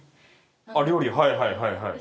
はいはいはいはい。